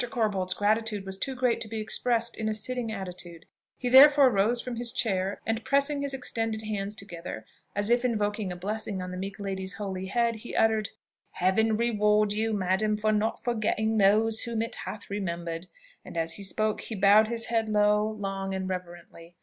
Corbold's gratitude was too great to be expressed in a sitting attitude; he therefore rose from his chair, and pressing his extended hands together as if invoking a blessing on the meek lady's holy head, he uttered, "Heaven reward you, madam, for not forgetting those whom it hath remembered!" and as he spoke, he bowed his head low, long, and reverently.